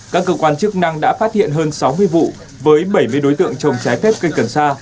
các cơ quan chức năng đã phát hiện hơn sáu mươi vụ với bảy mươi đối tượng trồng trái phép cây cần sa